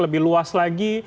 lebih luas lagi